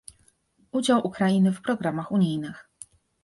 Udział Ukrainy w programach unijnych